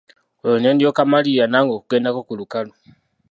Olwo ne ndyoka mmalirira nange okugendako ku lukalu.